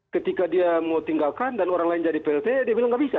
ketika dia mau tinggalkan dan orang lain jadi plta dia bilang nggak bisa